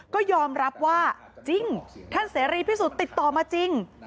ก็ยอมรับว่าจริงท่านเสรีพิสุทธิ์ติดต่อมาจริง